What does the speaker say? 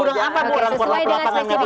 sesuai dengan spesifikannya